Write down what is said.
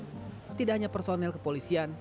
karena tidak hanya personel kepolisian